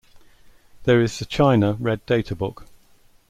There is the China red data book.